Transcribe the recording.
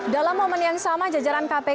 dalam momen yang sama jajaran kpk